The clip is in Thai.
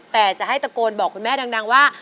แต่จะให้ตะโกนบอกคุณแม่ดังว่า